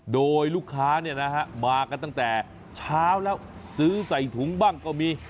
โดยลูกค้ามากันตั้งแต่เช้าแล้วซื้อใส่ถุงบ้างก็มี